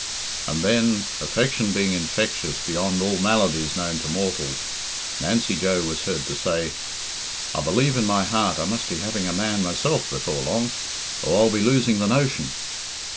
And then, affection being infectious beyond all maladies known to mortals, Nancy Joe was heard to say, "I believe in my heart I must be having a man myself before long, or I'll be losing the notion."